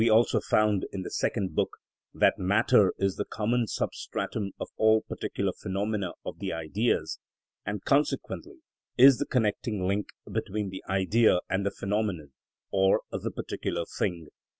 We also found, in the second book, that matter is the common substratum of all particular phenomena of the Ideas, and consequently is the connecting link between the Idea and the phenomenon, or the particular thing.